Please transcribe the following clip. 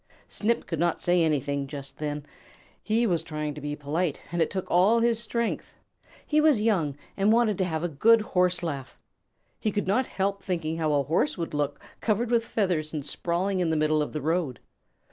Snip could not say anything just then. He was trying to be polite, and it took all his strength. He was young and wanted to have a good Horse laugh. He could not help thinking how a Horse would look covered with feathers and sprawling in the middle of the road.